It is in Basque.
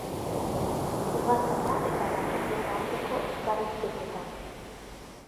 Ugazaba eta langileen arteko elkarrizketetan.